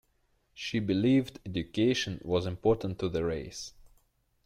She believed education was important to the race.